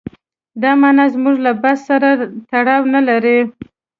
دا معنا زموږ له بحث سره تړاو نه لري.